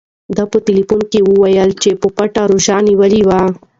ده په ټیلیفون کې وویل چې په پټه روژه نیولې وه.